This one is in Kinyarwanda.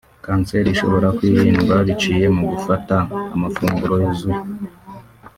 Kanseri ishobora kwirindwa biciye mu gufata amafunguro yuzuye